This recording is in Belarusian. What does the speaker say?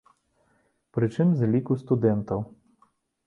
Прычым, з ліку студэнтаў.